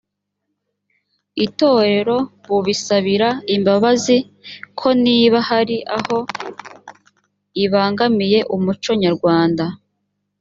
itorero bubisabira imbabazi ko niba hari aho ibangamiye umuco nyarwanda